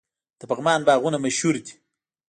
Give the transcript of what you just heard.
د پغمان باغونه مشهور دي.